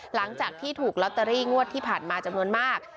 หลังจากที่ถูกลอตเตอรี่งวดที่ผ่านมาจำนวนมาก